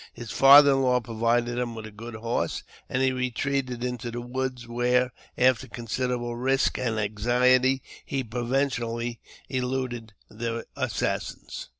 His father in law provided him with a good horse, and he retreated into the woods, where, after con siderable risk and anxiety, he providentially eluded the assassins.